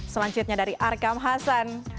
selanjutnya dari arkam hasan